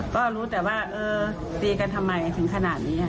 ก็รู้แต่ว่าเออตีกันทำไมถึงขนาดนี้